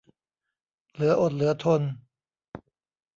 เหลืออดเหลือทน